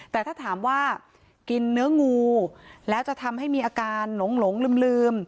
แต่ถ้าถามว่ากินเนื้องูแล้วจะทำให้มีอาการหลงลืม